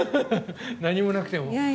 何もなくても。